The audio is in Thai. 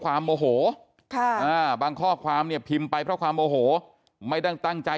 โมโหบางข้อความเนี่ยพิมพ์ไปเพราะความโมโหไม่ได้ตั้งใจ